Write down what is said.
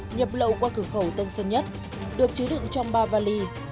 nhập lậu qua cửa khẩu tân sơn nhất được chứa đựng trong ba vali